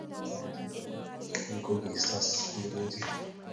kiakas ale chito ne kime ko kisus pirechik